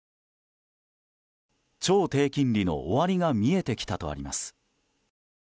超低金利の終わりが見えてきたとあります。